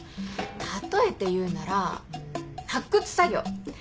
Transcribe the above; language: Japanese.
例えて言うなら発掘作業。